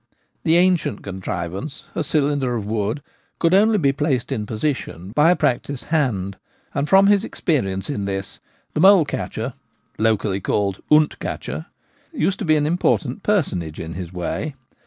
The ancient contrivance, a cylinder of wood, could only be placed in position by a practised hand, and from his experience in this the mole catcher locally called ' oont catcher '— used to be an important personage in his way.